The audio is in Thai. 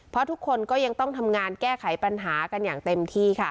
เพราะทุกคนก็ยังต้องทำงานแก้ไขปัญหากันอย่างเต็มที่ค่ะ